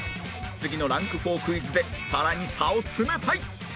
次のランク４クイズでさらに差を詰めたい！